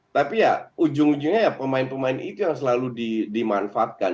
tapi ya ujung ujungnya ya pemain pemain itu yang selalu dimanfaatkan